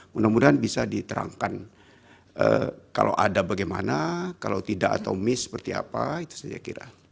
mudah mudahan bisa diterangkan kalau ada bagaimana kalau tidak atau miss seperti apa itu saya kira